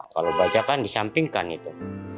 kalau baja kan disampingkan itu